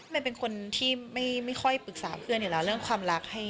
มันเป็นคนที่ไม่ค่อยปรึกษาเพื่อนอยู่แล้วเรื่องความรัก